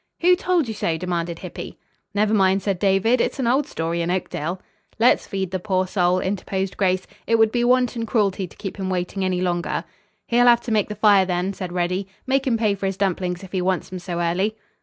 "Who told you so?" demanded Hippy. "Never mind," said David. "It's an old story in Oakdale." "Let's feed the poor soul," interposed Grace. "It would be wanton cruelty to keep him waiting any longer." "He'll have to make the fire, then," said Reddy. "Make him pay for his dumplings if he wants 'em so early."